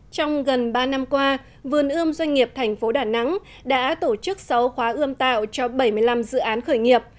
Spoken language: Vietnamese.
trong gần ba năm qua vườn ươm doanh nghiệp thành phố đà nẵng đã tổ chức sáu khóa ươm tạo cho bảy mươi năm dự án khởi nghiệp